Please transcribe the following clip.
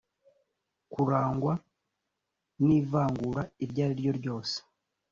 kurangwa n ivangura iryo ariryo ryose